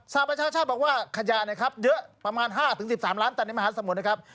สามารถชาติชาติบอกว่าขยะเยอะประมาณ๕๑๓ล้านตัวในมหาสมุดนะครับ